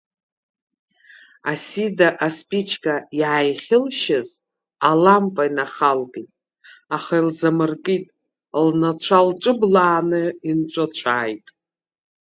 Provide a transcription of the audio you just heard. Асида асԥычка иааихьылшьыз алампа инахалкит, аха илзамыркит, лнацәа лҿыблааны инҿыцәааит.